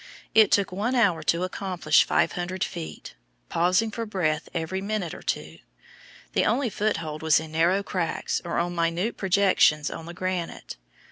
It took one hour to accomplish 500 feet, pausing for breath every minute or two. The only foothold was in narrow cracks or on minute projections on the granite.